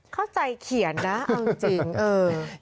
เข้าใจเขียนนะเอาจริงเออ